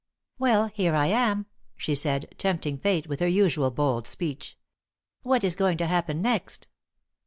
"Well, here I am!" she said, tempting Fate with her usual bold speech. "What is going to happen next?"